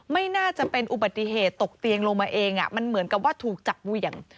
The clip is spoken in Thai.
ไม่น่าจะเป็นอุบัติเหตุตกเตียงลงมาเองมันเหมือนกับว่าถูกจับเหวี่ยง